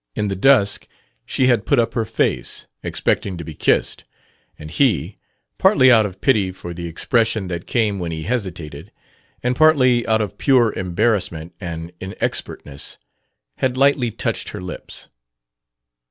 In the dusk she had put up her face, expecting to be kissed; and he, partly out of pity for the expression that came when he hesitated, and partly out of pure embarrassment and inexpertness, had lightly touched her lips.